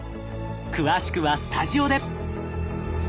詳しくはスタジオで！